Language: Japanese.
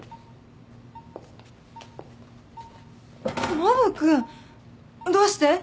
ノブ君どうして？